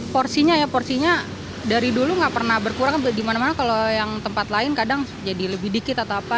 porsinya ya porsinya dari dulu nggak pernah berkurang di mana mana kalau yang tempat lain kadang jadi lebih dikit atau apa